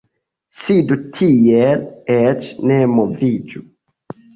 Sidu tiel, eĉ ne moviĝu.